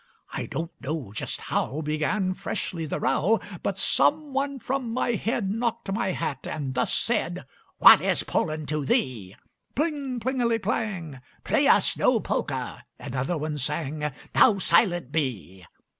I don't know just how Began freshly the row, But some one from my head Knocked my hat, and thus said: 'What is Poland to thee?' Pling plingeli plang 'Play us no polka!' Another one sang: 'Now silent be!'